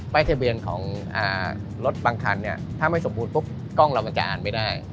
ป้ายทะเบียนของรถบางคันถ้าไม่สมบูรณ์กล้องเราจะอ่านไม่ได้